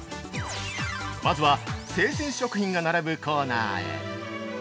まずは生鮮食品が並ぶコーナーへ。